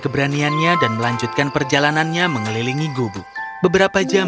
apa dia akan melakukan tentang alarming perjanjian